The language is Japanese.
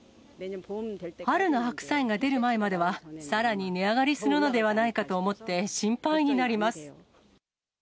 春の白菜が出る前までは、さらに値上がりするのではないかと思って、心配になります。